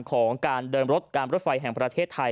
ของการเดินรถการรถไฟแห่งประเทศไทย